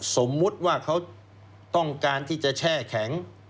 สมมุติว่าเขาต้องการที่จะแช่แข็ง